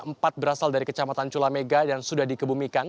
empat berasal dari kecamatan culamega dan sudah dikebumikan